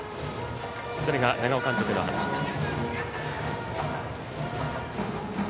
それが長尾監督の話です。